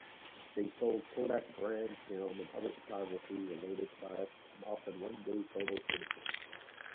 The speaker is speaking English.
They sold Kodak-brand film and other photography-related products, and offered one-day photo finishing.